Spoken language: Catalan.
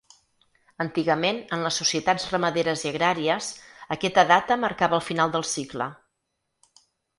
Antigament, en les societats ramaderes i agràries, aquesta data marcava el final del cicle.